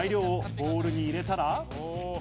材料をボウルに入れたら。